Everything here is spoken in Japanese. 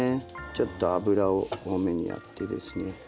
ちょっと油を多めにやってですね。